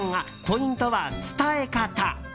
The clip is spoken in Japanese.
ポイントは伝え方。